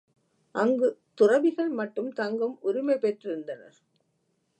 அங்குத் துறவிகள் மட்டும் தங்கும் உரிமை பெற்றிருந்தனர்.